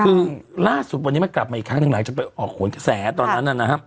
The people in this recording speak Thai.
ซึ่งร่าสุดวันนี้มันกลับมาอีกครั้งนึงหลายจบออกโผล่แข็งแสตอนนั้นอะนะครับ